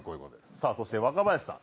さぁそして若林さん。